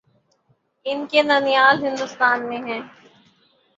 ان کے ننھیال ہندوستان میں ہیں۔